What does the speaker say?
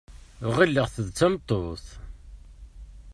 Ɣileɣ-t d tameṭṭut.